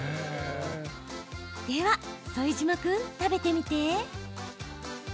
では副島君、食べてみて。